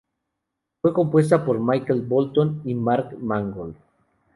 Fue compuesta por Michael Bolton y Mark Mangold.